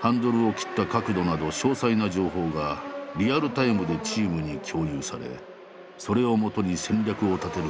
ハンドルを切った角度など詳細な情報がリアルタイムでチームに共有されそれを基に戦略を立てる